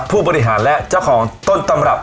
ผู้บริหารและเจ้าของต้นตำรับ